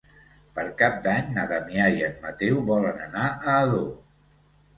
Per Cap d'Any na Damià i en Mateu volen anar a Ador.